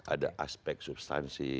ada aspek substansi